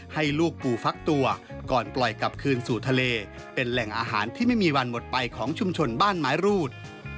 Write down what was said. ให้ลูกปู่ฟักตัวก่อนปล่อยกลับคืนสู่ทะเลเป็นแหล่งอาหารที่ไม่มีวันหมดไปของชุมชนบ้านไม้รูด